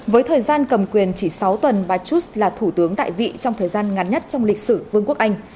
với thời gian cầm quyền chỉ sáu tuần bà chuss là thủ tướng tại vị trong thời gian ngắn nhất trong lịch sử vương quốc anh